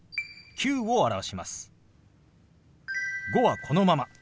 「５」はこのまま。